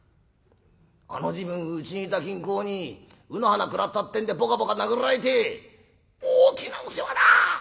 あの時分うちにいた金公に卯の花食らったってんでぽかぽか殴られて大きなお世話だ！